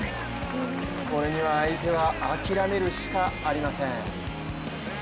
これには相手は諦めるしかありません。